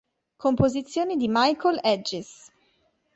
Composizioni di Michael Hedges